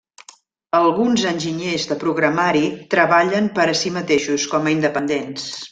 Alguns enginyers de programari treballen per a si mateixos, com a independents.